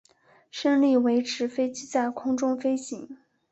升力维持飞机在空中飞行。